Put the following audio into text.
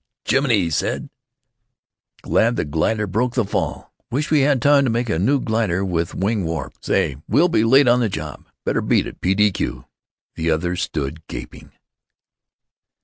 "Jiminy," he said. "Glad the glider broke the fall. Wish we had time to make a new glider, with wing warp. Say, we'll be late on the job. Better beat it P. D. Q." The others stood gaping.